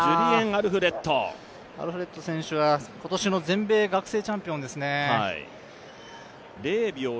アルフレッド選手は、今年の全米学生チャンピオンですね。